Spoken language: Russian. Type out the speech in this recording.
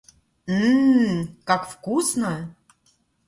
М-м-м, как вкусно!